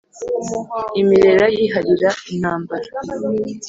Imirera yiharira intambara